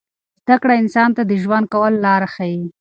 زده کړه انسان ته د ژوند کولو لار ښیي.